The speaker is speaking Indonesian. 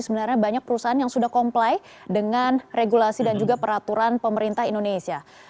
sebenarnya banyak perusahaan yang sudah comply dengan regulasi dan juga peraturan pemerintah indonesia